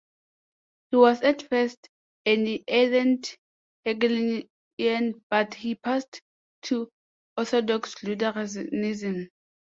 He was at first an ardent Hegelian, but he passed to orthodox Lutheranism.